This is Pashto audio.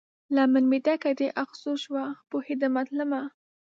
لمن مې ډکه د اغزو شوه، پوهیدمه تلمه